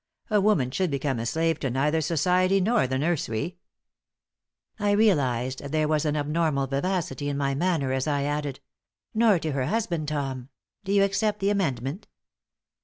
A woman should become a slave to neither society nor the nursery." I realized that there was an abnormal vivacity in my manner as I added: "Nor to her husband, Tom. Do you accept the amendment?"